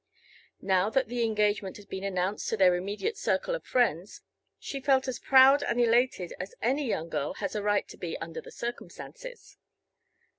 Now that the engagement had been announced to their immediate circle of friends she felt as proud and elated as any young girl has a right to be under the circumstances.